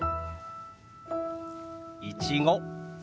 いちご。